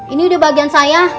ini udah bagian saya